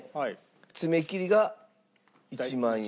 爪切りが１万円。